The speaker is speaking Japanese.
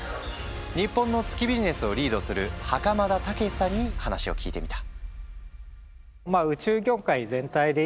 日本の月ビジネスをリードする袴田武史さんに話を聞いてみた。